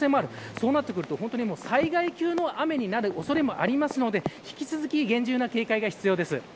そうなってくると、災害級の雨になる恐れもあるので引き続き厳重な警戒が必要です。